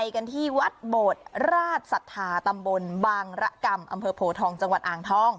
กันที่วัดโบดราชศรัทธาตำบลบางระกรรมอำเภอโพทองจังหวัดอ่างทอง